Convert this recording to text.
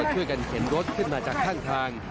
ช่วยกันเข็นรถขึ้นมาจากข้างทาง